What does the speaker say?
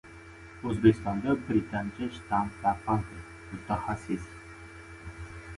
O‘zbekistonda «britancha» shtamm tarqaldi – mutaxassis